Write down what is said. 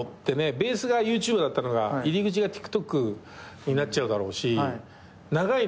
ベースがＹｏｕＴｕｂｅだったのが入り口がＴｉｋＴｏｋになっちゃうだろうし長いのね。